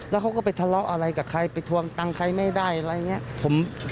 แล้วเขาก็ไปทะเลาะอะไรกับใครไปทวงตังค์ใครไม่ได้อะไรอย่างนี้